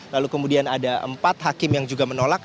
lalu kemudian ada empat hakim yang juga menolak